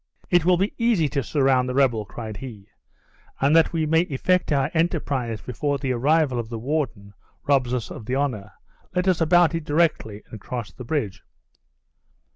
"It will be easy to surround the rebel," cried he; "and that we may effect our enterprise before the arrival of the warden robs us of the honor, let us about it directly, and cross the bridge."